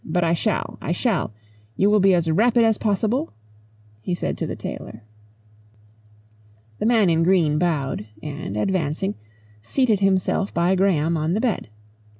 But I shall. I shall. You will be as rapid as possible?" he said to the tailor. The man in green bowed, and, advancing, seated himself by Graham on the bed.